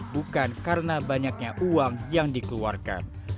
bukan karena banyaknya uang yang dikeluarkan